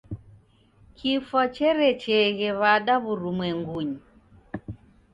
Kifwa cherecheeghe w'ada w'urumwengunyi?